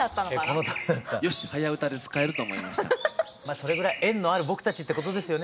それぐらい縁のある僕たちってことですよね。